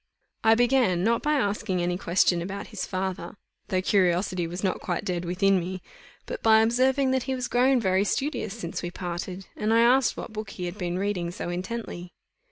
I began, not by asking any question about his father, though curiosity was not quite dead within me, but by observing that he was grown very studious since we parted; and I asked what book he had been reading so intently.